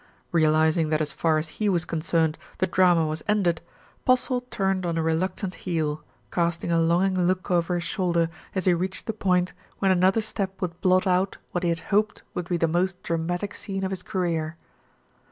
Realising that as far as he was concerned, the drama was ended, Postle turned on a reluctant heel, casting a longing look over his shoulder as he reached the point when another step would blot out what he had hoped would be the most dramatic scene of his career.